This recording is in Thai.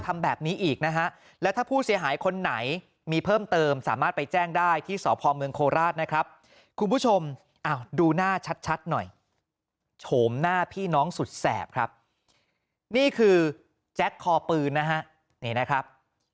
มีเพิ่มเติมสามารถไปแจ้งได้ที่สอบภอมเมืองโคราชนะครับคุณผู้ชมดูหน้าชัดหน่อยโฉมหน้าพี่น้องสุดแสบครับนี่คือแจ็คคอปืนนะฮะนี่นะครับ